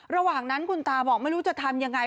ระหว่างนั้นคุณตาบอกไม่รู้จะทำยังไง